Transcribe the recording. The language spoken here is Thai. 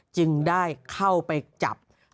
จึงได้เข้าไปจับ